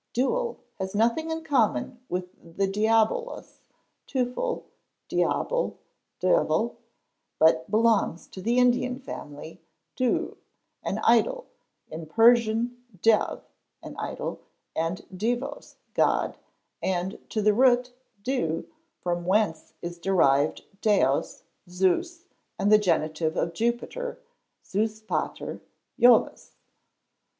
Dewel has ~ nothing in common with the diabolos, teufel, diable, devil, but belongs to the Indian family, deww, an idol, in Persian dev, an idol, and divos, god, and to the root diw, from whence is derived deos, Zevs and the genitive of Jupiter (Zeuspater), Jovis.